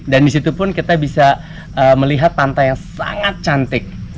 dan disitu pun kita bisa melihat pantai yang sangat cantik